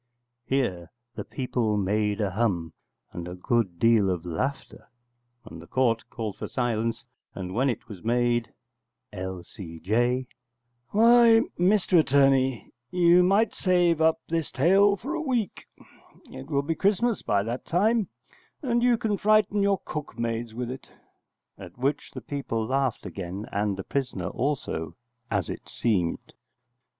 [Here the people made a hum, and a good deal of laughter, and the Court called for silence, and when it was made] L.C.J. Why, Mr Attorney, you might save up this tale for a week; it will be Christmas by that time, and you can frighten your cook maids with it [at which the people laughed again, and the prisoner also, as it seemed].